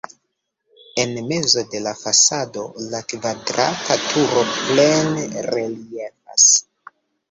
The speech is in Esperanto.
En mezo de la fasado la kvadrata turo plene reliefas.